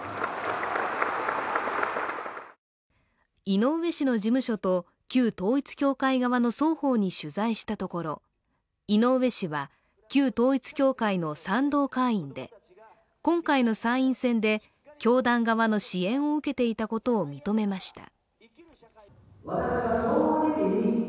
井上氏の事務所と旧統一教会側の双方に取材したところ、井上氏は旧統一教会の賛同会員で今回の参院選で教団側の支援を受けていたことを認めました。